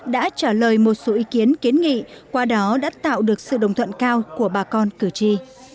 đã trả lời một số ý kiến kiến nghị qua đó đã tạo được sự đồng thuận cao của bà con cử tri